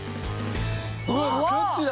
うわっガチだ！